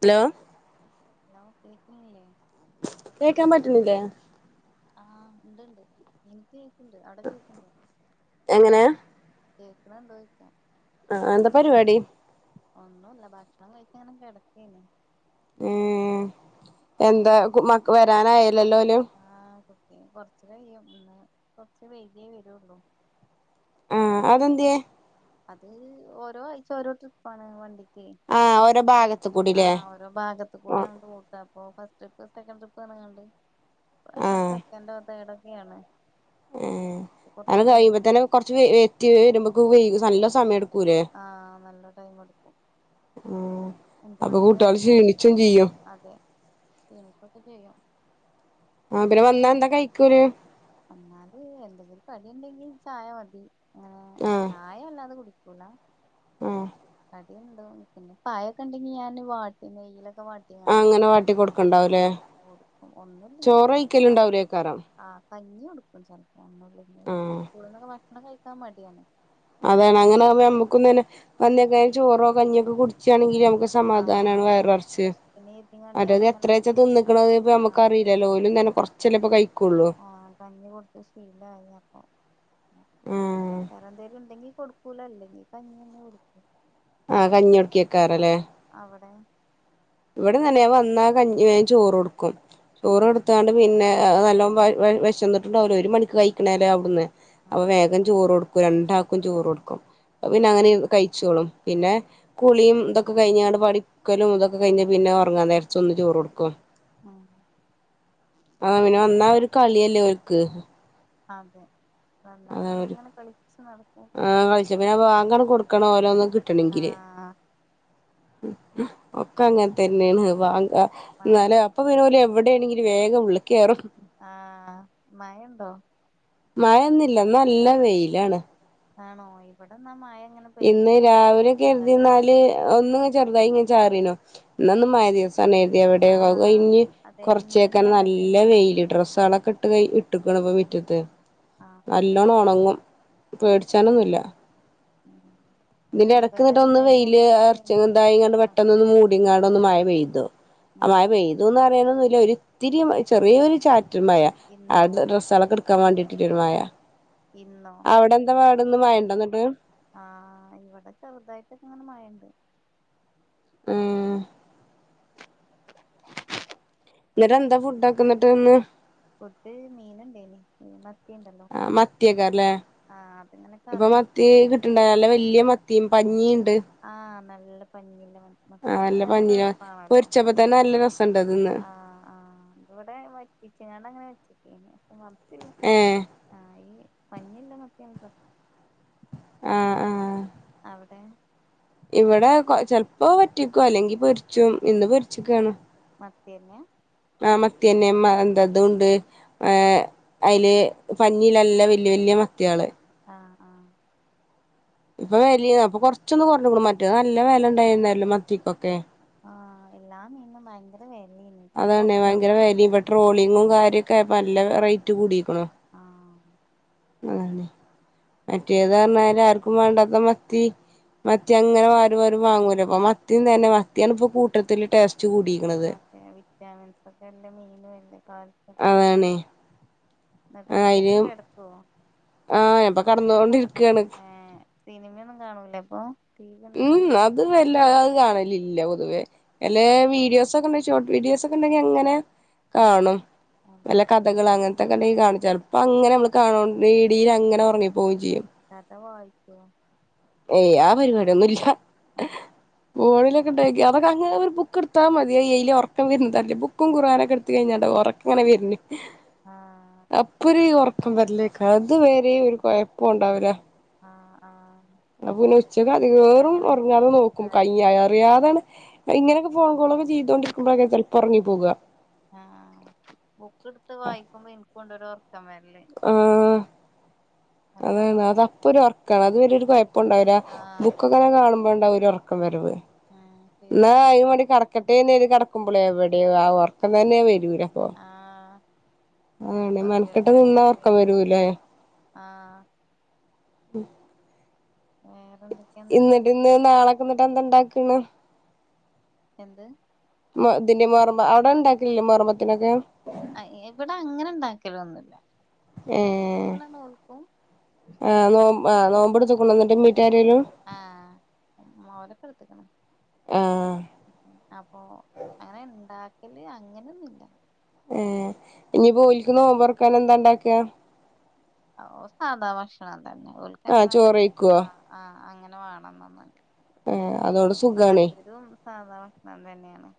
Hello hello കേക്കണില്ലേ കേക്കാൻ പറ്റ്ണില്ലേ ആഹ് ഇണ്ട്ണ്ട് എനിക്ക് കേക്ക്‌ണ്ട് അവടെ കേക്ക്‌ണ്ടോ എങ്ങനെ കേക്ക്‌ണുണ്ടൊയ്‌ക്ക ആ എന്താ പരിപാടി ഒന്നുല്ല ഭക്ഷണം കഴിച്ച് ഇങ്ങനെ കിടക്കേന്നു ഉം എന്താ കു മക് വരാനായല്ലല്ലോല് ആഹ് കൊറച്ച് കയ്യും ഇന്ന് കൊറച്ച് വൈകിയേ വരുള്ളൂ ആഹ് അതെന്ത്യേ അത് ഓരോ ആഴ്ച ഓരോ ട്രിപ്പ് ആണ് വണ്ടി കെ ആ ഓരോ ഭാഗത്ത് ആ കൂടില്ലേ ഓരോ ഭാഗത്ത് ആ കൂടെ അങ്ങട്ട് ഓട്ടാ അപ്പൊ ഫസ്റ്റ് ട്രിപ്പ് സെക്കൻഡ് ട്രിപ്പ് ർഞ്ഞ്ക്കാണ്ട് ആ ഇപ്രാശ്യം സെക്കൻഡോ തേർഡോ ഒക്കെയാണ് ഏ അങ്ങനെ കഴിയുമ്പ തന്നെ കൊറച്ച് വെ വെത്തി വരുമ്പക്ക് വൈ നല്ല സമയം എടുക്കു ആ നല്ല ടൈം എടുക്കും ഉം അഞ്ച് അപ്പൊ മണിയൊക്കെ ആവും കുട്ടികള് [unintelligible] ക്ഷീണിച്ചും ചെയ്യും അതെ ക്ഷീണിക്കൊക്കെ ചെയ്യും അ പിന്നെ വന്നാ എന്താ കഴിക്ക ഓല് വന്നാല് എന്തെങ്കിലും കടിയുണ്ടെങ്കിൽ ചായ മതി. ആ ചായ വല്ലാതെ കുല ഉം [unintelligible] പിന്നെ പഴൊക്കെ ഉണ്ടെങ്കി ഞാന് വാട്ടി നെയ്യിലൊക്കെ വാട്ടീങ്ങാണ്ട് കൊടുക്ക്ണുണ്ടാവും ലെ ചോറ് ചെലപ്പം വയ്ക്കല് കഞ്ഞി ഉണ്ടാവൂലേക്കാരം ആ കഞ്ഞി കൊടുക്കും ചിലപ്പോ ഒന്നും ല്ലെങ്കി. സ്കൂളിന്നൊക്കെ ഭക്ഷണം കഴിക്കാൻ മടിയാണ് അതാണ് അങ്ങനെ ആകുമ്പോ നമ്മുക്കും തന്നെ വന്നേയ്‌ക്കെന്നെ ചോറോ കഞ്ഞിയൊക്കെ കുടിച്ചാണെങ്കി എത്ര ആ സമാധാനമാണ് വയറ് നെറച്ച്. വിശപ്പിന് കരുതിങ്ങാണ്ട് മറ്റത് ഞാനങ്ങനെ എത്രച്ച തിന്നക്ക്ണത് ‌ന്ന് ആ നമുക്ക്റിയില്ലല്ലോ. ഓല് ആ കഞ്ഞി കൊടുത്ത് ശീലായി അപ്പൊ ആഹ് വേറെ എന്തേലും ഉണ്ടെങ്കി കൊടുക്കൂല അല്ലെങ്കി കഞ്ഞി തന്നെ കൊടുക്ക ആ കഞ്ഞി കൊടുക്കാക്കാരം ല്ലേ അവിടെ ഇവിടേം തന്നെ ആ വന്നാൽ വേഗം ചോറ് കൊടുക്കും. ആ ചോറ് കൊടുത്താണ്ട് പിന്നെ നല്ലോം വിശന്നിട്ടുണ്ടാവോല്ലോ ഒരു മണിക്ക് കഴിക്കണല്ലെ അവിടന്ന് ആ അപ്പൊ വേഗം ചോറ് കൊടുക്കും രണ്ടാക്കും ചോറ് കൊടുക്കും. അത് ഉം പിന്നെ അങ്ങനെ ഇരുന്ന് കഴി കഴിച്ചോളും പിന്നെ കുളിയും ഇതൊക്കെ കഴിഞ്ഞ്ങ്ങാണ്ട് പഠിക്കലും ഇതൊക്കെ ഒക്കെ കഴിഞ്ഞ് പിന്നെ ഉറങ്ങാ നേരത്ത് ഒന്ന് ചോറ് കൊടുക്കും ഉം ആ പിന്നെ വന്നാ ഒരു കളിയല്ലേ ഓൽക്ക് അതെ വന്നാ അത പിന്നെ അങ്ങനെ കളിച്ച് നടക്കും കാരണം ഓലെന്ന് കിട്ടണെങ്കില് ആഹ് ഒക്കെ അങ്ങനെ തന്നെയാണ് വാങ്ക് മഴ എന്നാലെ അപ്പൊ പിന്നെ ഓലെ എവിടെയാണെങ്കിലും വേഗം ഉള്ളിക്ക് കയറും ആ മയണ്ടോ മഴ ഇന്നില്ല ഇന്ന് നല്ല വെയിലാണ് ആണോ ഇവിടെന്നാ മയ ഇന്ന് രാവിലെ കരുതി ന്നാല് ഒന്ന് ഇങ്ങനെ ചെറു ചെറുതായി ഒന്ന് ചാറീന്നു. എന്നാ ഇന്ന് മഴ ദിവസം ക്കാരെന്ന് കരുതി. എവടെ അതൊക്ക ആഹ് കഴിഞ്ഞ് അതെ കുറച്ചേയ് ഇന്നലിം യ്‌ക്കന്നെ അങ്ങനെ നല്ല തന്നേനി വെയില് ഡ്രസ്സുകളൊക്കെ ഇട്ട് ഇട്ട്ക്കാണ് ഇപ്പൊ മിറ്റത്ത് ആഹ് നല്ലോണം ഉണങ്ങും പേടിച്ചാനൊന്നുല്ല [inaudible] ഇതിന്റെ ഇവിടെ ഇടക്ക്ന്നിട്ട് ഒന്ന് ഇന്നലിം വെയില് അങ്ങനെ എറിച്ച് തന്നേനി എന്തായി ഇങ്ങട്ട് ആഹ് പെട്ടെന്ന് ഒന്ന് മൂടിങ്ങാണ്ടൊന്ന് മഴ പെയ്തു ആ ഉം മഴ പെയ്തൂന്ന് പറയാനൊന്നുംല്ല ഒരിത്തിരി ചെറിയൊരു ചാറ്റൽ റ്റൽ മയ. ഇന്നോ അവ്ട്ള്ള ഡ്രസ്സുകളൊക്കെ എടുക്കാൻ വേണ്ടിട്ട് ഉള്ളൊരു മയ ഇന്നോ ഇന്ന് മയണ്ടോ ന്നിട്ട് ആ ഇവിടെ ചെറുതായിട്ടൊക്കെ ഇങ്ങനെ മഴഇണ്ട് മ് എന്നിട്ട് എന്താ ഫുഡ് ആക്കുന്നിട്ട് ഈന്ന് ഫുഡ് മീനുണ്ടെയ്നു മീൻ വറുത്ത ആ മത്തിയകാറില്ലേ ആഹ് അതിങ്ങനെ ഇപ്പൊ മത്തി കറിയാക്കി കിട്ടണ്ടായല്ലെ വലിയ മ- തീമ് പഞ്ഞീ ആ നല്ല പഞ്ഞില്ല മ ആ മത്തിയണല്ലോ നല്ല പഞ്ഞിയ രസമാണല്ലോ പൊരിച്ചപ്പോ പഞ്ഞീ തന്നെ നല്ല രസമുണ്ട് അതിന്ന് ആ ആ ഇത് ഇവിടെ വറ്റിച്ചെങ്ങണ്ട് അങ്ങ് വെച്ചിട്ടെനെ ഏ ഐ പഞ്ഞില്ല മത്തിയ നല്ല രസ ആ ആ എവിടെ ഇവിടെ കൊ ചെലപ്പോ വറ്റിക്കും അല്ലെങ്കി പൊരിച്ചും ഇന്ന് പൊരിചെക്കാണ് മത്തിയന്നെ ആ മത്തിതന്നെ എന്താതുണ്ട് അയില് പഞ്ഞിയിലല്ല വലിയ വലിയ മത്തിക്കള് ആഹ് ആഹ് ഇപ്പൊ വെലിം അപ്പൊ കൊറച്ചൊന്നു കൊറഞ്ഞുകുണു മറ്റത് നല്ല വെല ഉണ്ടായിരുന്നല്ലോ മത്തിക്കൊക്കെ ആഹ് എല്ലാ മീൻനും ഭയങ്കര വെലേനി ഇപ്പൊ അതന്നെ കൊറഞ്ഞോ ഭയങ്കര വെലിം ഇപ്പം ട്രോളിങ്ങും കാര്യൊക്കെ ആയപ്പം നല്ല റേറ്റ് കൂടിക്ണു ആഹ് അതാണെ മറ്റേത് പറഞ്ഞാല് ആർക്കും വേണ്ടാത്ത മത്തി മത്തി അങ്ങനെ ആരു ആരും വാങ്ങൂല ഇപ്പം മത്തിം തന്നെ മത്തിയാണ് ഇപ്പ കൂട്ടത്തില് ടേസ് അതെ വിറ്റാമിൻസ് ഒക്കെ ഇല്ല മീനും നല്ല കാല്‌സ്യൊക്കെ അയിന് ആഹ എപ്പ കടന്നൊണ്ടിരിക്കാണ് ഏഹ് സിനിമയൊന്നും കാണൂലേ അപ്പൊ ടിവിയൊന്നും ഉം കാണ ഉ അത് വെ ഇല്ല അത് കാണലില്ല പൊതുവേ ലേ വീഡിയോസൊക്കുണ്ടെ ഷോർട്ട് വീഡിയോസ് ഒക്കെ ഉണ്ടെങ്കിൽ അങ്ങനെ ഉം കാണും ആഹ് നല്ല കഥകൾ അങ്ങൻ ത്തെക്ക ഇണ്ടങ്കി കാണും ചെൽപ്പം അങ്ങനെ നമ്മൾ കാണു [unintelligible] അങ്ങനെ ഒറങ്ങി പോവും ചെയ്യും കഥ വായിക്കോ ഏയ് ആ പരിപാടിയൊന്നും ഇല്ല ആഹ് ഫോണിലൊക്കെണ്ടങ്കി അതൊക്കെ അങ്ങ് ഒരു ബുക്ക് ഇട്ത്താ മതി അതെയിലെ ഒറക്കം വര്ന്നത് അറീല്ല. ബുക്കും കുറാനൊക്കെ എടുത്ത് കഴിഞ്ഞാണ്ട ഒറക്ക ഇങ്ങനെ വര്ന് ആഹ് അപ്പൊര് ഒറക്കം വരലേക്കാരം അത് വരെ ഒരു കുഴപ്പം ഉണ്ടാവുല ആ ആ അപ്പപിന്നെ ഉച്ചക്ക് അധികേറും ഒറങ്ങാതെ ബുക്ക് നോക്കും എടുത്താല് കയ്യാ എനിക്ക് ബുക്കിൽ അറിയാതേണ് ഇങ്ങനെയൊക്കെ ഫോൺ കോൾ [unintelligible] ചെയ്തൊണ്ടിരിക്കുമ്പഴൊക്കെ ചെൽപ്പോ ഒറങ്ങി ആഹ് ബുക്ക് ഇട്ത്ത് വായിക്കുമ്പോ ഇൻക്കുണ്ടൊരൊ ആഹ് അറിയാതെ അതാണ്. അത് ഉറക്കം അപ്പൊ ഒരു വരും ഒറക്കാണ്. അത് വരെ ഒരു കൊഴപ്പുണ്ടാവുല ആഹ് ബുക്കൊക്കെ കാണുമ്പോണ്ടാവും ഒരു ഒറ ക്കം വരവ്. ഉം ഇന്നാ ശരിയാണ് അയ്‌നും വാണ്ടി കട ക്കട്ടെന്ന് കരുതി കടക്കുമ്പളെ എവിടെ ആ ഉറക്കം തന്നെ വരുല്ലപോ ആഹ് ആണെ കൊറച്ചേരം മെനക്കട്ട് നിന്നാ ഒർക്കം കിടക്കട്ടെന്ന് വരൂ ലേ ആഹ് ഉമ് [unintelligible] എന്നിട്ട് ഇന്നട്ട് ഇന്ന് നാളക്കെന്നിട്ട് എന്തിണ്ടാക്ണ് എന്ത് ഇതിന്റെ മുഹർമ്മ അവിടെ ഉണ്ടാക്കലില്ലെ മുഹറം പത്തിനൊക്കെ അ ഇവിടെ അങ്ങനെ ഇണ്ടാകലൊന്നുല്ല ഏഹ് ആ നോ നോമ്പ് എടുത്ക്ണൊന്നിട്ട് ആഹ് മോനൊക്ക ഇട്ത്ത്ക്ണ് ആഹ് അപ്പൊ അങ്ങനെ ഇണ്ടാക്കല് അങ്ങനൊന്നുല്ല ഏഹ് ഇനിപ്പോ ഓല്ക്ക് നോമ്പ് തൊറക്കാന് എന്താ ഉണ്ടാക്കാ ഓ സാധാ ഭക്ഷണം തന്നെ. ഓല്ക്ക് ആഹ് അങ്ങനെ ചോറെയ്ക്കോ ആഹ് ആഹ് അങ്ങനെ വേണമ്ന്നൊന്നൂല ഏഹ് അതോണ്ട് സുഖാണേ താല്പര്യവും സാധാ ഭക്ഷണം തന്നെയാണ്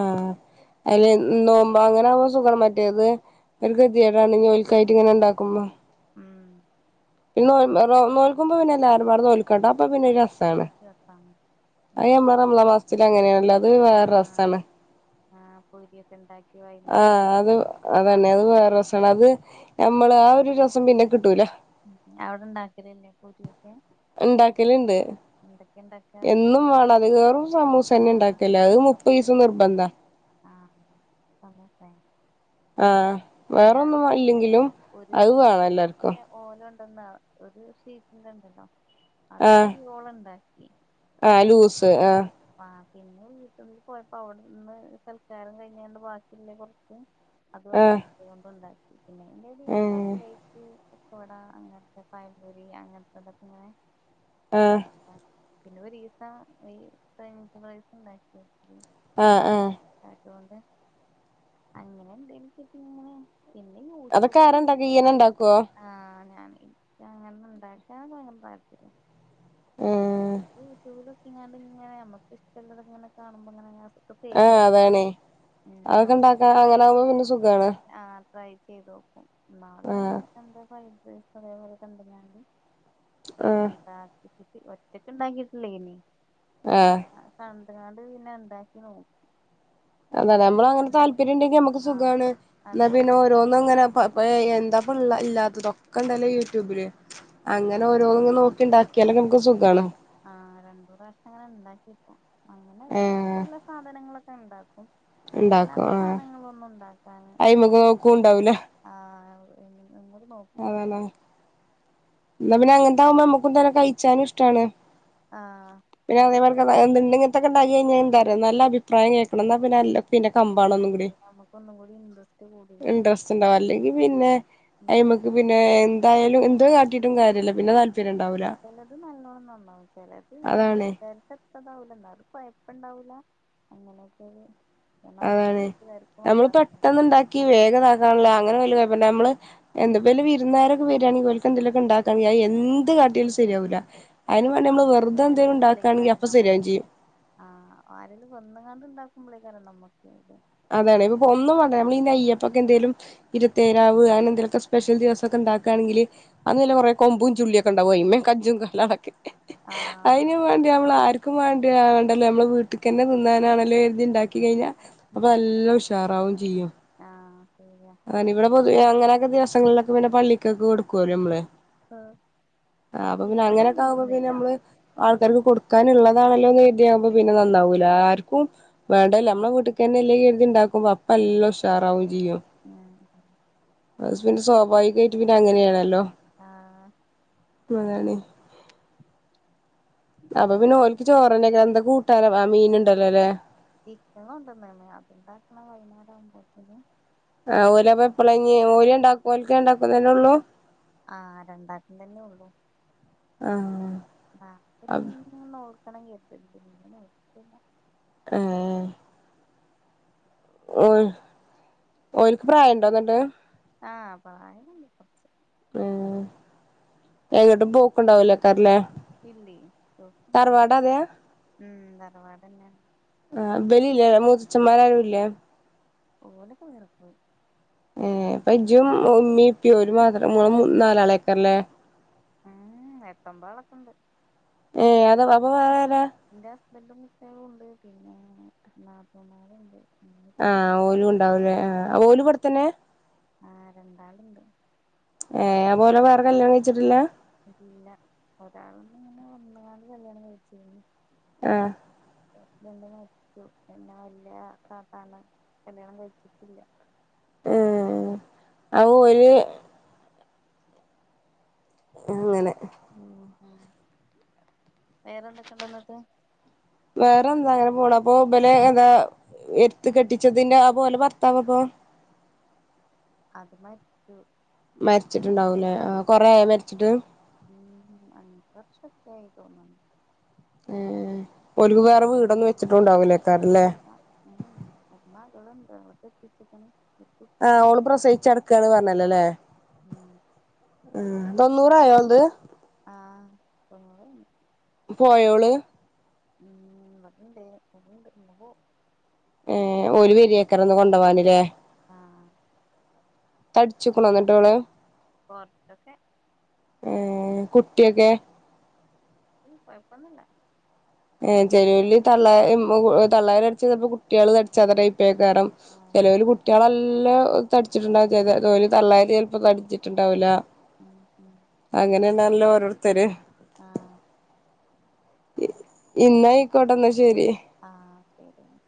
ആഹ് അയില് നോമ് മ്പ അങ്ങനൊവുമ്പോ സുഖാണ് മറ്റേത് ഒര് കെത്യേടാണ് ഇഞ് ഓല്ക്കായിട്ട് ഇങ്ങനെ ഇണ്ടാക്കുമ്പോ ഉം പിന്നെ നോൽമ്പ് നോൽക്കുമ്പോ പിന്നെ എല്ലാരുംമ്പാടെ നോൽക്കട്ടാ അപ്പൊ പിന്നെ ഒര് അതെ രസാണ് അതൊരു രസാണ് അയ്യമ്മളെ റമളാൻ മാസത്തില് അങ്ങനേണല്ലോ അത് വേറെ രസണ് ആഹ് പൊരി ഒക്കെ ഉണ്ടാ ആഹ് അത് അതന്നെ അത് വേറെ രസാണ്. അത് ഞമ്മള് ആ ഒരു രസം പിന്നെ കിട്ടൂല അവിടെണ്ടാക്കല് ല്ലേ പൊരിയൊക്കെ ഇണ്ടാക്കല്ണ്ട് എന്തക്കെ എന്നും വേണം അധികേറും ആ സമൂസന്നെ ഇണ്ടാക്കല് അത് മുപ്പതീസും നിർബന്ധാ ആഹ് സമോസയ ആഹ് ഞാൻ വേറൊന്നും ഇല്ലെങ്കിലും ഒരു അത് വേണം സംഭവ എല്ലാർക്കും ഓലോലുത്തര് ഒരു ഷീറ്റി ഇണ്ടല്ലോ അത് ആഹ് പിന്നെ ഓള ഇണ്ട ആഹ് ലൂസ് ആഹ് ആ പിന്നെ വീട്ടിൽന്ന് പോയപ്പോ അവിടെന്ന് സൽക്കാരം കഴിഞ്ഞണ്ട് ബാക്കില്ലേ കുറച്ച്- അതൊണ്ട് ആഹ് വന്ന് അതുകൊണ്ട് ഇണ്ടാക്കി പിന്നെ ഉം [unintelligible] പരിപ്പ് വട അങ്ങനത്തെ പയംപൊരി അങ്ങനത്തെ ഇതൊക്കെ ഇങ്ങനെ ആഹ് ഉണ്ടാക്കി പിന്നെ ഒരീസം ഈ ഫ്രഞ്ച് ഫ്രൈസ് ഉണ്ടാക്കിയ ആഹ് ആഹ് അതോണ്ട് അങ്ങനെ എന്തേലും ഒക്കെ ഇങ്ങനെ- പിന്നെ അതൊക്കെ യൂട്യൂബില് ആരാ ഇണ്ടാക്കുന്നെ നീ തന്നെ ഇണ്ടാക്കുവോ ഇക്ക് അങ്ങനെ ഇണ്ടാക്കാൻ ഒക്കെ ഭയങ്കര താത്പര്യാ ഉം ഇങ്ങട് ഇങ്ങനെ നമുക്ക് ഇഷ്ടുള്ളത ഇങ്ങനെ കാണുമ്പോ ഇങ്ങനെ- സേവ് ആഹ് ചെയ്ത് വെക്കും അതേണേ ഉം അതൊക്കെ നോക്കി ഇണ്ടാക്കാൻ അങ്ങനെ ആകുമ്പോ പിന്നെ സുഖാണ് അങ്ങനെ ആ ട്രൈ ചെയ്ത് നോക്കും ഇന്നാള് ഞാൻ ആഹ് എന്താതേപോലെ ഫ്രൈഡ് റൈസ് ഇത് പോലെ കണ്ട ഞാൻ- ആഹ് [unintelligible] ഒറ്റക്ക് ഉണ്ടാക്കിട്ടില്ലേ ഇനി ആഹ് [unintelligible] അതാണ്ട് പിന്നെ ഇണ്ടാക്കി നോക്കി അത് നമ്മൾ അങ്ങനെ രണ്ടു താല്പര്യം ഉണ്ടെങ്കി നമുക്ക് ആ സുഖാണ് എന്ന അതെ പിന്നെ ഓരോന്നും അങ്ങനെ- അപ്പൊ എന്താപ്പള്ള ഇല്ലാത്തതൊക്കെ ഇണ്ടല്ലോ യൂട്യൂബില് അങ്ങനെ ഓരോങ്ങ് നോക്കി ഉണ്ടാക്കിയാലെ നമുക്ക് സുഖമാണ് ആഹ് രണ്ടൂ പ്രാവശ്യം അങ്ങനെ ഉണ്ടാക്കി ഇപ്പോ- അങ്ങനെ ഏഹ് ഇഷ്ടുള്ള സാധനങ്ങളൊക്കെ ഇണ്ടാക്കും ഇണ്ടാക്കും ഇഷ്ടല്ലാത്ത ആഹ് സാധനങ്ങളൊന്നും ഉണ്ടാക്കാൻ അയിമക്ക് നോക്കും അത്ര ഉണ്ടാവൂല അഹ് അങ്ങോട് നോക്കില്ല അതാണ് എന്നാ പിന്നെ അങ്ങനത്തെ ആവുമ്പോ നമുക്ക് തന്നെ കഴിച്ചാനും ഇഷ്ടമാണ് ആ പിന്നെ ചെല [unintelligible] എണ്ടെങ്കത്തൊക്കെ ഉണ്ടാക്കി കഴിഞ്ഞ- എന്ത നല്ല അഭിപ്രായം കേൾക്കണം എന്നാ പിന്നെ എല്ല പിന്നെ കമ്പാണ് ഒന്നും കൂടി നമുക്കൊന്നും കൂടി ഇൻട്രസ്റ്റ് കൂടി ഇൻട്രസ്റ്റ് ഇണ്ടാവും അല്ലെങ്കിൽ ആ പിന്നെ അയ്മക്ക് ഇണ്ടാക്കാ പിന്നെ എന്തായാലും എന്ത് കാട്ടിട്ടും കാര്യമില്ല ചിലത് നല്ലോണം നന്നാവും ചിലത് നമ്മള് അതാണ് വിചാരിച്ചത്ര ഇതാവൂല എന്നാലും കുഴപ്പമില്ല ഇപ്പണ്ടാവൂല അങ്ങനെയൊക്കെയൊരു- അതാണ് നമ്മൾ പെട്ടെന്ന് ഇണ്ടാക്കി വേഗം ഇതക്കാനുള്ള അന ഞമ്മള് എന്ത് വല്ല വിരുന്നരൊക്കെ വരുവാണേൽ ഓല്ക്ക് എന്തെലൊക്കെ ഇണ്ടാക്കാ വിചാരിച്ച എന്ത് കാട്ടിയാലും ശരിയാകില്ല ശരിയാവൂല അതിന് വേണ്ടി നമ്മള് വെറുതെ എന്തേലും ഉണ്ടാക്കുകയാണെങ്കിൽ [unintelligible] അപ്പൊ നമ്മക്ക് ശരിയാവും ചെയ്യും ആ ആരരെലും കൊന്ന് കാണ്ട് ഇണ്ടാ കുമ്പളെക്കാരം നമ്മുക്കത് അതാണെ ഇപ്പൊ ഒന്നുംവാണ്ട നമ്മളീ നെയ്യപ്പൊക്കെ എന്തേലും ഇരുത്തേരാവ് അനെന്തെലൊക്കെ സ്പെഷ്യൽ ദിവസക്കെ ഉണ്ടാക്കാണെങ്കില് അന്നില്ല കൊറ കൊമ്പും ചുള്ളിയൊക്കെണ്ടാവും അയിമ്മേ കജും കാലാക്കി ആഹ് അയ്നും വാണ്ടി ഞമ്മള് ആർക്കും വാ ഞമ്മള് വീട്ടിക്ക്ന്നെ തിന്നാനാണല്ലോ കര്തി ണ്ടാക്കി കഴിഞ്ഞാ അപ്പൊ ഉം നല്ല ഉഷാറാവും ആഹ് ശരിയാ അതന്നെ ഇവിടെ പൊതുവെ അങ്ങനെയൊക്കെ ദിവസങ്ങളിലൊക്കെ പിന്നെ പള്ളിക്കൊക്കെ കൊടുക്കുവല്ലോ മ്മള് ആ അപ്പൊ പിന്നെ ഇവിടെ അങ്ങനെയൊക്കെ ആവുമ്പോ പിന്നെ അങ്ങനൊന്നുല്ല ഞമ്മള് ആ ഒരാൾക്ക് കൊടുക്കാനുള്ളതാണല്ലോ എന്ന് കതിയാകുമ്പോ പിന്നെ നന്നാവൂല ആര്ക്കും വേണ്ടഅല്ല മ്മളെ വീട്ടിക്കന്നെ അല്ലെ കരുതി ഉണ്ടാക്കുമ്പോ അപ്പ എല്ലാം ഉഷാറാവും ചെയ്യും ഉം അത് സ്പിന്നെ സ്വാഭാവികമായിട്ട് പിന്നെ അങ്ങനെയാണല്ലോ ആഹ് മതാണെ [unintelligible] അപ്പൊ പിന്നെ ഓൽക്ക് ചോറന്നെയക്കാരം എന്താ കൂട്ടാന് ആ മീൻ ഇണ്ടല്ലോലെ ഇക്ക കൊണ്ട്ന്ന്ണ് അത്ണ്ടാക്കണം വൈകുന്നേര ആവുമ്പോത്തിന് ആ ഓലപ്പ എപ്പള ഇഞ്ഞി ഓല് രണ്ടാക്ക് ഓല്ക്ക്‌ രണ്ടാക്കും തന്നെ ഒള്ളൂ ആ രണ്ടാക്കും തന്നെ ഒള്ളു ആ കാക്കക്ക് ഇന്നെഒന്ന് ഓർക്കണെങ്കി എത്ത്ണ്ട് ഇങ്ങനെ [unintelligible] എ ഏ ഓൽ ഓൽക്ക് പ്രായം ഇണ്ടോന്ന്ട്ട് ആ പ്രായ ണ്ട് കൊറച്ച് ആ എങ്ങട്ടും പോക്ക്ണ്ടാവൂലക്കാരല്ലേ ഇല്ലേ എവ്ട്ക്ക് പോണ് ഉം തറവാടന്നെ അ ബലില്ലെ മൂത്തഛൻ മാര് ആരുംഇല്ലെ ഓലൊക്കെ വേറെ പോയി ഏ ഇപ്പ ജും ഉമ്മീം ഇപ്പി ഓര് മാത്രം ഇങ്ങള് മു നാലാളേക്കരലെ ഉം എട്ടഒമ്പാളൊക്കെണ്ട് ഏ അത് അപ്പ വേറെ ആര എന്റെ ഹസ്ബൻറും കുട്ടിളും ഉണ്ട് പിന്നെ നാത്തുമാര്ണ്ട് ആ ഓലും ഉണ്ടാവൂലേ ആ ഓലു ഇവ്ടെത്തന്നെ ആ രണ്ടാള്ണ്ട് ഏ അപ്പ ഓലെ വേറെ കല്യാണം കഴിച്ചിട്ടില്ല ഇല്ല ഒരാള്നെ ഇങ്ങനെ വന്ന്ക്കാണ്ട് കല്യാണം കഴിച്ചിനി ആ ഹസ്ബന്റ് മരിച്ചു പിന്നെ ആ വല്യ താത്തനെ കല്യാണം കഴിച്ചിട്ടില്ല ഏ അഹ് ഓര് അങ്ങനെ ഉം വേറെന്തൊക്കെണ്ട് ന്നിട്ട് വേറെ എന്താ അങ്ങനെ പോണ് അപ്പൊ ഇബലെ ഏതാ എര്ത്ത് കെട്ടിച്ചതിന്റെ ആപ്പോലെ ഭർത്താവോ ഇപ്പ അത് മരിച്ചു മരിച്ചിട്ടുണ്ടാവൂലേ ആ കൊറെആയൊ മരിച്ചിട്ട് ഉം അഞ്ച് വർഷക്കായി തോന്ന്ണ് ഏ ഓല്ക്ക് വേറെ വീടൊന്നും വെച്ചിട്ടു ഇല്ല മ് മ് ഒര് മകള്ണ്ട് ഓളെ കെട്ടിച്ച്ക്ക്‌ണ് ആ ഓള് പ്രസവിച്ച് ടക്കാണ് പറഞ്ഞല്ലൊലെ ഉം എ ഓ നൂറായോ ഓൾത് ആ തൊണ്ണൂറഴിഞ്ഞ് പോയോള് ഉം ഇവിടെണ്ടെയിനി ഇവിടണ്ട് ഇന്ന് പോവും ഏ ഒരു വെരിയേക്കര് ഇന്ന് കൊണ്ടോവാനില്ലേ ആ തടിച്ചുക്ക്ണോ എന്നിട്ടോള് കൊറച്ചൊക്കെ ഏ കുട്ടിയൊക്കെ കുട്ടി കൊയപ്പൊന്നില്ല ഏ ചെലോല് തള്ള ഇമ്മ [unintelligible] തള്ളാര്ടിച്ച് ചെല്പ കുട്ടിള് തടിച്ചാത ടൈ ക്കെക്കാരം ആഹ് ചെലോല് കുട്ടിള ല്ലോ തടിച്ചിട്ടുണ്ടാവും ചെല രോല് തള്ളാരി ചെലപ്പോ തടിച്ചിട്ട്ണ്ടാവ് ല ഉം ഉം നല്ല ഓരോര്ത്തര് ആ ഇന്ന അയ്‌ക്കോട്ടന്ന ശ ആഹ് ശരി എന്ന